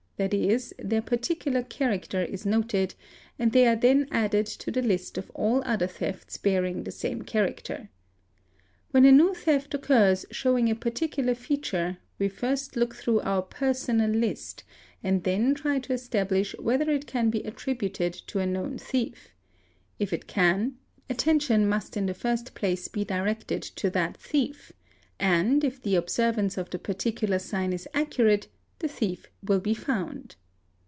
their Wr irene ie fe eee ee Lt ee particular character is noted, and they are then added to the list of all ther thefts bearing the same character. When a new theft occurs jhowing a particular feature we first look through our personal list and ry to establish whether it can be attributed to a known thief; if it can, 708 THEFT attention must in the first place be directed to that thief, and if the observance of the particular sign is accurate the thief will be found.